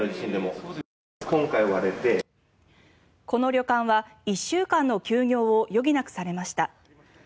この旅館は１週間の休業を余儀なくされました。